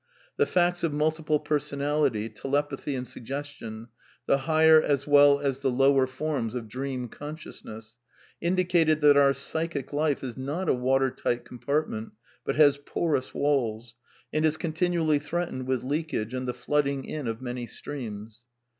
The facts of multiple personality, telepathy and suggestion, the higher as well as the lower forms of dream consciousness, indicated that our psychic life is not a water tight compartment, but has porous walls, and is continually threatened with leakage and the flooding in of many streams.